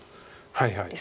はいはい。